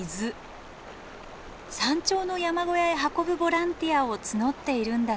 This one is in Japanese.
山頂の山小屋へ運ぶボランティアを募っているんだとか。